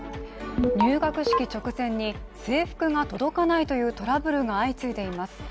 入学式直前に制服が届かないというトラブルが相次いでいます。